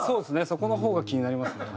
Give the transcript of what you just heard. そこの方が気になりますね。